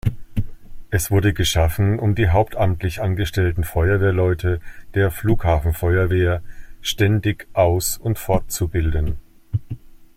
Es wurde geschaffen, um die hauptamtlich angestellten Feuerwehrleute der Flughafenfeuerwehr ständig aus- und fortzubilden.